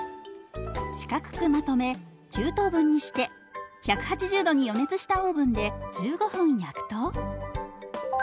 四角くまとめ９等分にして１８０度に予熱したオーブンで１５分焼くと。